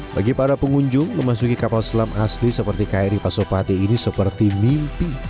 bagi para pengunjung memasuki kapal selam asli seperti kri pasopati ini seperti mimpi